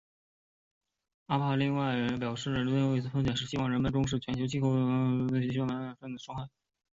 阿帕另外表示最近一次探险是希望让人们重视全球气候变迁对喜玛拉雅山的伤害。